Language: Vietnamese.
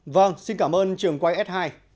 vâng xin cảm ơn trường quay s hai